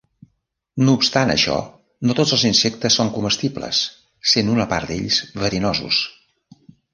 No obstant això, no tots els insectes són comestibles, sent una part d'ells verinosos.